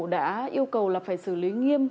đã yêu cầu là phải xử lý nghiêm